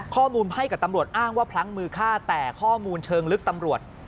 ข้อมูลให้กับตำรวจอ้างว่าพลั้งมือฆ่าแต่ข้อมูลเชิงลึกตำรวจ